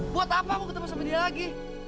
buat apa mau ketemu sama dia lagi